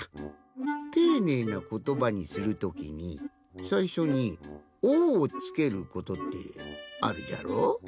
ていねいなことばにするときにさいしょに「お」をつけることってあるじゃろ？